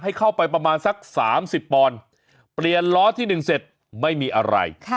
ให้เข้าไปประมาณสัก๓๐ปอนด์เปลี่ยนล้อที่๑เสร็จไม่มีอะไร